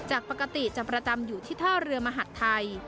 จากปกติจะประจำอยู่ที่ท่าเรือมหัฐไทย